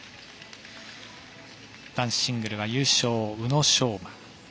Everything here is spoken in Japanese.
男子シングルは優勝、宇野昌磨。